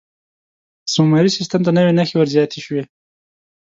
سومري سیستم ته نوې نښې ور زیاتې شوې.